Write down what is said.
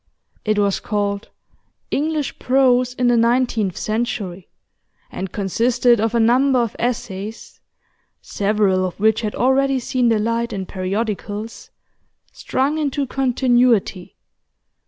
It was called 'English Prose in the Nineteenth Century,' and consisted of a number of essays (several of which had already seen the light in periodicals) strung into continuity.